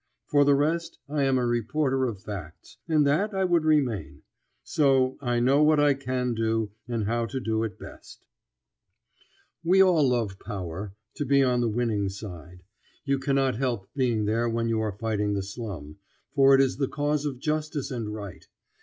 For the rest I am a reporter of facts. And that I would remain. So, I know what I can do and how to do it best. [Illustration: After Twenty five Years.] We all love power to be on the winning side. You cannot help being there when you are fighting the slum, for it is the cause of justice and right.